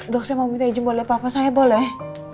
dok saya mau minta izin boleh papa saya boleh